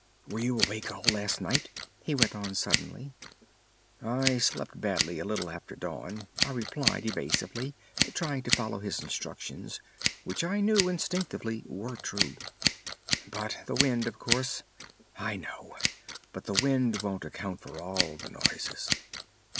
"Were you awake all last night?" he went on suddenly. "I slept badly a little after dawn," I replied evasively, trying to follow his instructions, which I knew instinctively were true, "but the wind, of course—" "I know. But the wind won't account for all the noises."